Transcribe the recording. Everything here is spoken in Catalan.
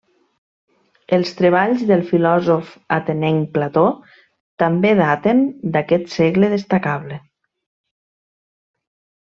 Els treballs del filòsof atenenc Plató també daten d'aquest segle destacable.